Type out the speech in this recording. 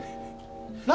何？